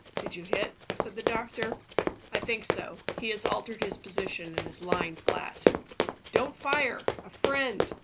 "Did you hit?" said the doctor. "I think so. He has altered his position, and is lying flat." "Don't fire! A friend!"